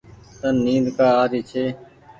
تن نيد ڪآ آري ڇي ۔